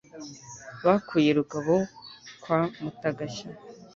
Bakuye Rugabo kwa Mutagashya.